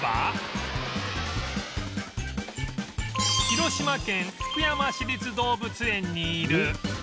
広島県福山市立動物園にいる